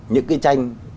những cái tranh